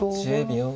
１０秒。